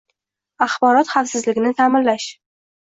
axborot xavfsizligini ta’minlash.